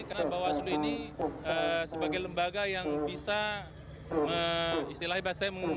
karena bawaslu ini sebagai lembaga yang bisa